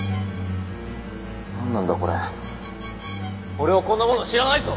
俺はこんなもの知らないぞ！